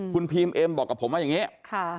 คุณพีมเอ็มบอกกับผมว่าอย่างนี้